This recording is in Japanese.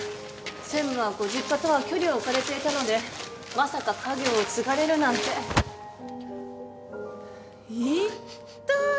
専務はご実家とは距離を置かれていたのでまさか家業を継がれるなんて。いった！